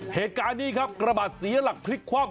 เหตุการณ์นี้ครับระบาดเสียลักษณ์พลิกความ